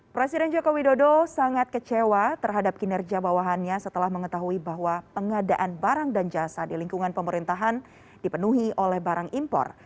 presiden jokowi dodo sangat kecewa terhadap kinerja bawahannya setelah mengetahui bahwa pengadaan barang dan jasa di lingkungan pemerintahan dipenuhi oleh barang impor